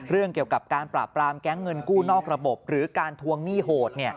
เรื่องเกี่ยวกับการปราบปรามแก๊งเงินกู้นอกระบบหรือการทวงหนี้โหด